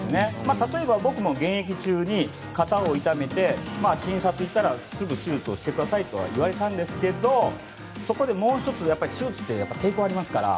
例えば僕も、現役中に肩を痛めて診察に行ったらすぐ手術をしてくださいと言われたんですがそこでもう１つ、手術っていえば抵抗ありますから。